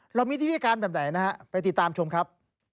เรามีที่พิการแบบไหนนะฮะไปติดตามชมครับ